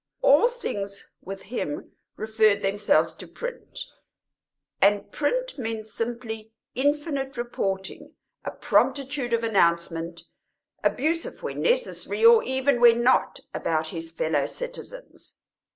All things, with him, referred themselves to print, and print meant simply infinite reporting, a promptitude of announcement, abusive when necessary, or even when not, about his fellow citizens.